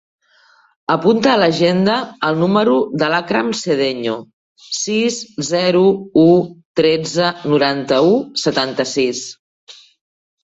Apunta a l'agenda el número de l'Akram Sedeño: sis, zero, u, tretze, noranta-u, setanta-sis.